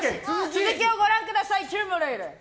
続きをご覧ください。